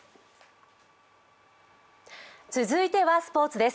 続いてはスポーツです。